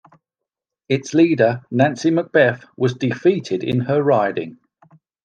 Its leader, Nancy MacBeth, was defeated in her riding.